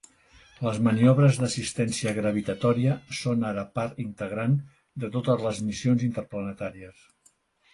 Les maniobres d'assistència gravitatòria són ara part integrant de totes les missions interplanetàries.